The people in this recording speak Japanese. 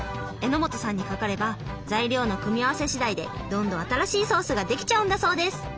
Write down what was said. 榎本さんにかかれば材料の組み合わせしだいでどんどん新しいソースが出来ちゃうんだそうです。